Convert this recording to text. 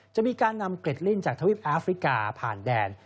จะมีการนำเกล็ดลิ้นจากทวีปแอฟริกาผ่านแดน